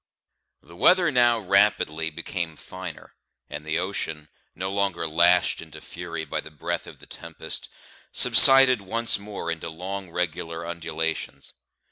The weather now rapidly became finer, and the ocean, no longer lashed into fury by the breath of the tempest, subsided once more into long regular undulations.